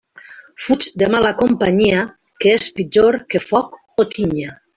Fuig de mala companyia, que és pitjor que foc o tinya.